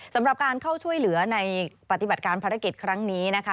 สำหรับการเข้าช่วยเหลือในปฏิบัติการภารกิจครั้งนี้นะคะ